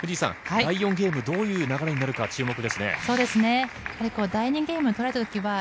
第４ゲーム、どういう流れになるか注目ですね。